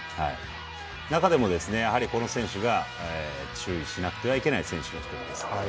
中でも、この選手が注意しないといけない選手です。